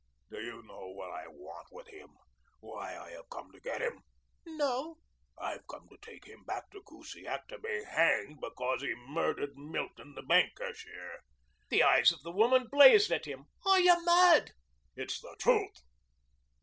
"Do you know what I want with him why I have come to get him?" "No." "I've come to take him back to Kusiak to be hanged because he murdered Milton, the bank cashier." The eyes of the woman blazed at him. "Are you mad?" "It's the truth."